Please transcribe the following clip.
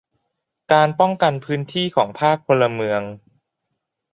การป้องกันพื้นที่ของภาคพลเมือง